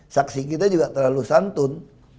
saksi kita juga terlalu santun